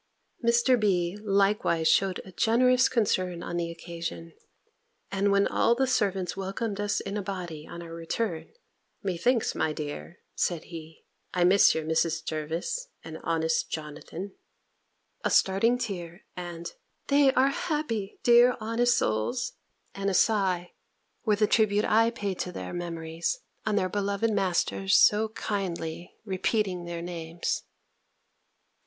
Mr. B. likewise shewed a generous concern on the occasion: and when all the servants welcomed us in a body, on our return "Methinks my dear," said he, "I miss your Mrs. Jervis, and honest Jonathan." A starting tear, and "They are happy, dear honest souls!" and a sigh, were the tribute I paid to their memories, on their beloved master's so kindly repeating their names.